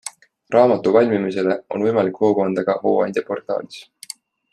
Raamatu valmimisele on võimalik hoogu anda ka Hooandja portaalis.